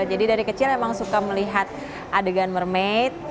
jadi dari kecil emang suka melihat adegan mermaid